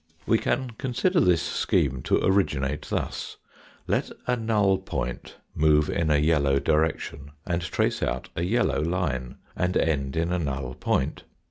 We can consider this scheme to originate thus : Let a null point move in a yellow direction and trace out a yellow line and end in a null point.